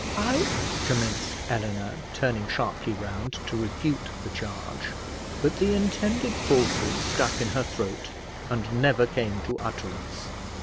"I " commenced Eleanor, turning sharply round to refute the charge; but the intended falsehood stuck in her throat, and never came to utterance.